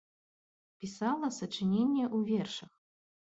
Пісала сачыненні ў вершах.